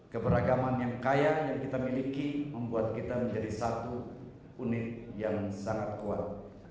keberagaman yang kaya yang kita miliki membuat kita menjadi satu unit yang sangat kuat